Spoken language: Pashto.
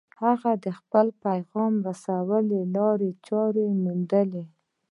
هغه د خپل پيغام رسولو لارې چارې وموندلې.